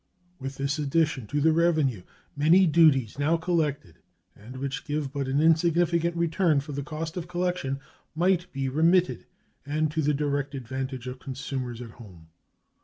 With this addition to the revenue, many duties now collected, and which give but an insignificant return for the cost of collection, might be remitted, and to the direct advantage of consumers at home.